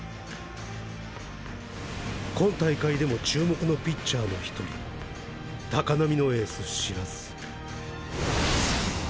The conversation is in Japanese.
今大会でも注目のピッチャーの１人鷹波のエース白須。